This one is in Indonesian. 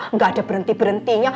nggak ada berhenti berhentinya